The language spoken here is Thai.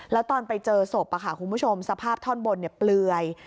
แล้วตอนไปเจอศพคุณผู้ชมสภาพท่อนบนเปลือย